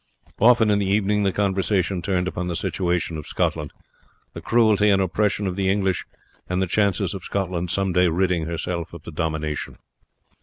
Often in the evening the conversation turned upon the situation of Scotland, the cruelty and oppression of the English, and the chances of Scotland some day ridding herself of the domination.